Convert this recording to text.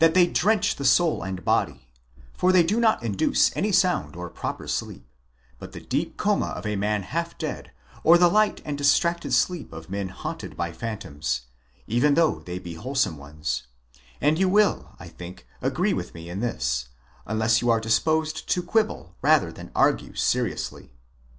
they drench the soul and body ; for they do not induce any sound or proper sleep, but the deep coma of a man half dead, or the light and distracted sleep of men haunted by phantoms, even though they be wholesome ones ; and you will, I think, agree with me in this, unless you are disposed to quibble rather than argue seriously.